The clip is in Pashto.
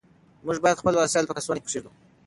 موږ باید خپل وسایل په کڅوړه کې کېږدو.